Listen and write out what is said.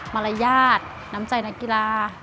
มารยาทน้ำใจนักกีฬา